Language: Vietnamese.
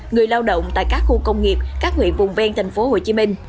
người lao động tại các khu công nghiệp các huyện vùng ven thành phố hồ chí minh